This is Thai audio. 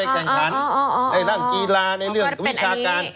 นักกีฬาในเรื่องวิชาการ